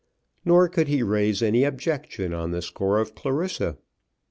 Nor could he raise any objection on the score of Clarissa.